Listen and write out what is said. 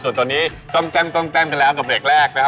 ส่วนตอนนี้กล้อมแจ้มกล้อมแจ้มกันแล้วกับเหล็กนะครับ